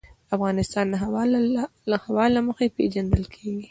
افغانستان د هوا له مخې پېژندل کېږي.